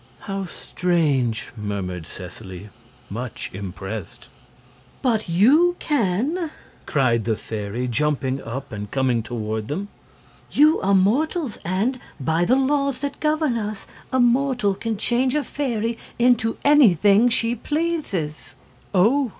"How strange!" murmured Seseley, much impressed. "But YOU can," cried the fairy, jumping up and coming toward them. "You are mortals, and, by the laws that govern us, a mortal can change a fairy into anything she pleases." "Oh!"